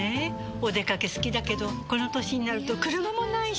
お出かけ好きだけどこの歳になると車もないし。